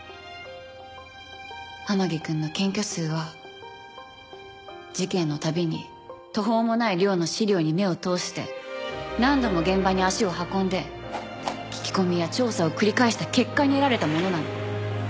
天樹くんの検挙数は事件の度に途方もない量の資料に目を通して何度も現場に足を運んで聞き込みや調査を繰り返した結果に得られたものなの。